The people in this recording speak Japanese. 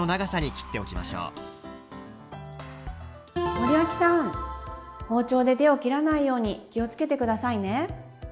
森脇さん包丁で手を切らないように気を付けて下さいね。